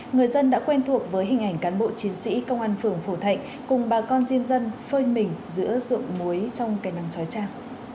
người dân đã quen thuộc với hình ảnh cán bộ chiến sĩ công an phường phổ thạnh cùng bà con diêm dân phơi mình giữa ruộng muối trong cây nắng trói trang